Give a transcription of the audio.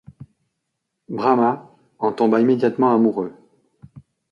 Brahmā en tomba immédiatement amoureux.